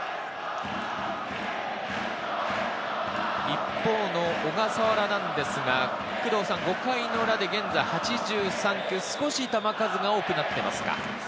一方の小笠原なんですが、５回の裏で現在８３球、少し球数が多くなっていますか？